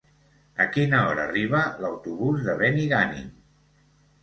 A quina hora arriba l'autobús de Benigànim?